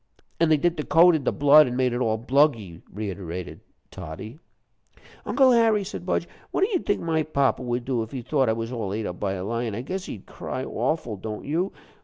"And they dipped the coat in the blood, an' made it all bluggy," reiterated Toddie. "Uncle Harry," said Budge, "what do you think my papa would do if he thought I was all ate up by a lion? I guess he'd cry awful, don't you?